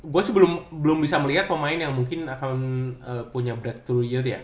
gue sih belum bisa melihat pemain yang mungkin akan punya breakthrough year ya